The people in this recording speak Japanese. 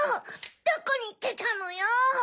どこにいってたのよ！